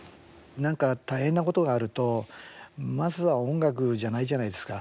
なんか大変なことがあるとまずは音楽じゃないじゃないですか。